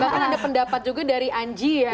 bahkan ada pendapat juga dari anji ya